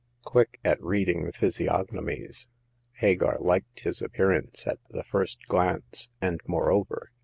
Quick at reading physiognomies, Hagar liked his appearance at the first glance, and, moreover